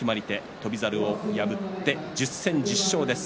翔猿を破って１０戦１０勝です。